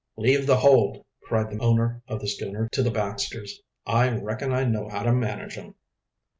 "Leave the hold," cried the owner of the schooner to the Baxters. "I reckon I know how to manage 'em."